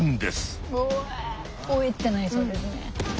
おえ「おえ」ってなりそうですね。